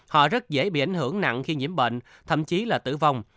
họ rất dễ bị ảnh hưởng nặng khi nhiễm bệnh thậm chí là tử vong